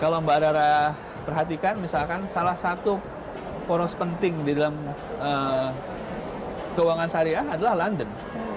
kalau mbak rara perhatikan misalkan salah satu poros penting di dalam keuangan syariah adalah london